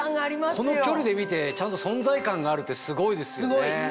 この距離で見てちゃんと存在感があるってすごいですよね。